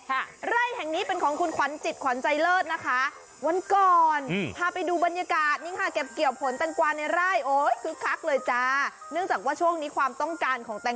ใบทางนี้เป็นของคุณควันจิตควันใจเลิศนะคะ